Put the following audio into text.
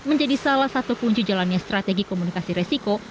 menjadi salah satu kunci jalannya strategi komunikasi resiko